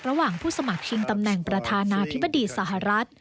ระหว่างผู้สมัครชิงตำแหน่งประธานาธิบดีสหรัฐ